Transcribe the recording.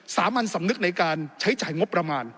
สามัญสำนึกในการใช้จ่ายงบประมาณ